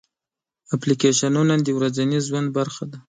اپلیکیشنونه د ورځني ژوند برخه ده.